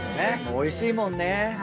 おいしいもんね。